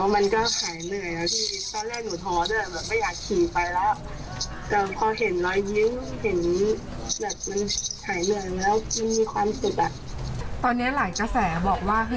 ไม่ได้ทำคอนเทนต์ไปถามคนรู้จักของปลูกตาเลย